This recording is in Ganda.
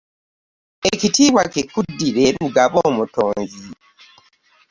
Ekitiibwa kikuddire, Lugaba Omutonzi